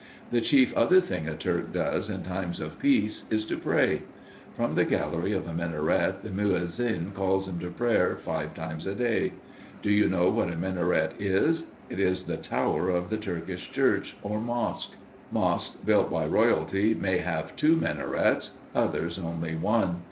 The chief other thing a Turk does in times of peace is to pray. From the gallery of a minaret the muezzin calls him to prayer five times a day. Do you know what a minaret is? It is the tower of the Turkish church, or mosque. Mosques built by royalty may have two minarets, others only one.